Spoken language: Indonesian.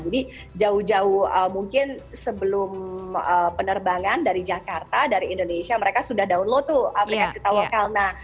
jadi jauh jauh mungkin sebelum penerbangan dari jakarta dari indonesia mereka sudah download tuh aplikasi tawak kalna